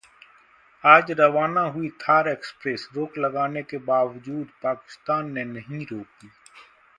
आज रवाना हुई थार एक्सप्रेस, रोक लगाने के बावजूद पाकिस्तान ने नहीं रोकी